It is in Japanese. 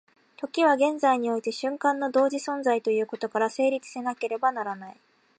時は現在において瞬間の同時存在ということから成立せなければならない。